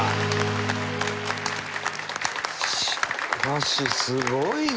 しかしすごいね！